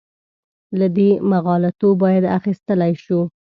له دې مغالطو باید اخیستلی شو.